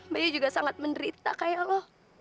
bayi juga sangat menderita kayak lo